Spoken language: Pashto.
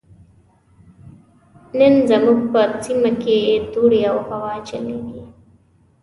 نن زموږ په سيمه کې دوړې او هوا چليږي.